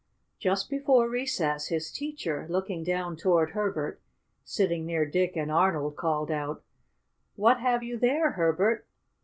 Just before recess, his teacher, looking down toward Herbert, sitting near Dick and Arnold, called out: "What have you there, Herbert?